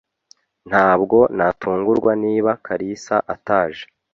Ntabwo natungurwa niba Kalisa ataje.